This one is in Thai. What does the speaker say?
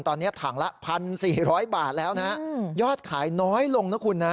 ตอนนี้ถังละ๑๔๐๐บาทยอดขายน้อยลงนะคุณนะฮะ